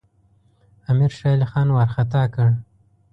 امیر شېرعلي خان وارخطا کړ.